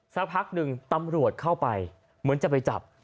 สักพักหนึ่งตำรวจเข้าไปเหมือนจะไปจับ